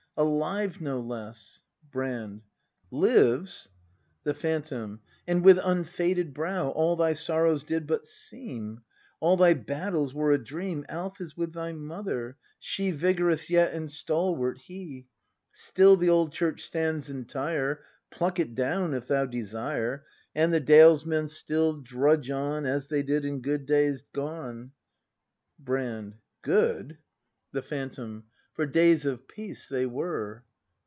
Alive, no less. Brand. Lives ! The Phantom. And with unfaded brow! All thy sorrows did but seem! All thy batles were a dream, Alf is with thy mother; she Vigorous yet, and stalwart he; Still the old Church stands entire; Pluck it down if thou desire; — And the dalesmen still drudge on As they did in good days gone. Brand. "Good!" ACT V] BRAND 293 The Phantom. For days of peace they were.